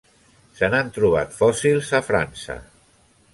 Se n'han trobat fòssils a França.